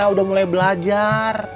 udah mulai belajar